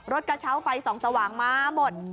รถกระเชาค์ไฟ๒สว่างมาหมด